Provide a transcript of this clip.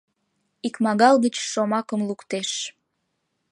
Икмагал гыч шомакым луктеш: